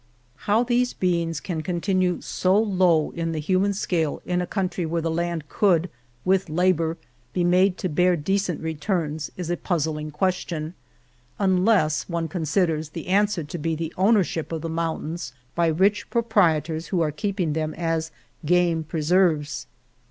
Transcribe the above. How these beings can continue so low in Venta de Cardenas the human scale in a country where the land could, with labor, be made to bear de cent returns is a puzzling question, unless one considers the answer to be the owner ship of the mountains by rich proprietors who are keeping them as game preserves.